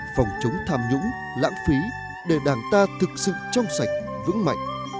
phòng chống tham nhũng lãng phí để đảng ta thực sự trong sạch vững mạnh